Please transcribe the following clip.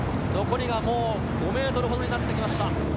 残りがもう５ｍほどになって来ました。